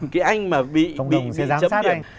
cái anh mà bị chấm điểm